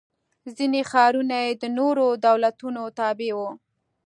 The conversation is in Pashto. ځیني ښارونه یې د نورو دولتونو تابع و.